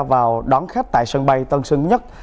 vào đón khách tại sân bay tân sơn nhất